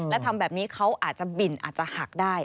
และทำแบบนี้เขาอาจจะบินอาจจะหักได้